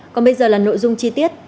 còn bây giờ là nội dung chi tiết